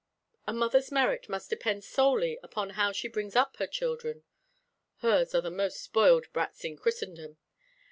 A mother's merit must depend solely upon how she brings up her children (hers are the most spoiled brats in Christendom).